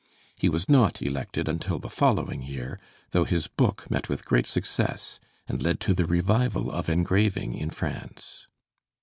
He was not elected until the following year, though his book met with great success, and led to the revival of engraving in France.